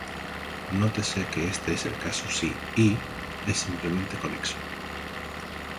Nótese que este es el caso si "Y" es simplemente conexo.